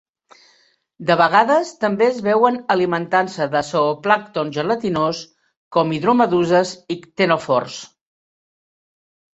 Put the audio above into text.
De vegades també es veuen alimentant-se de zooplàncton gelatinós com hidromeduses i ctenòfors.